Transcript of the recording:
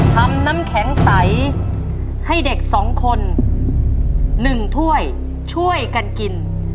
ทำน้ำแข็งใสให้เด็กสองคนหนึ่งถ้วยช่วยกันกิน